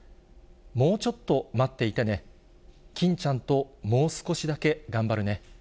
もうちょっと待っていてね、キンちゃんともう少しだけ頑張るね。